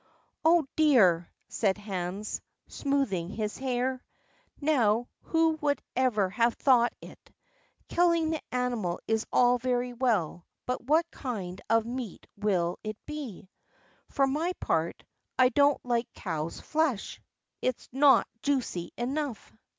"Oh, dear!" said Hans, smoothing his hair. "Now who would ever have thought it! Killing the animal is all very well, but what kind of meat will it be? For my part, I don't like cow's flesh; it's not juicy enough.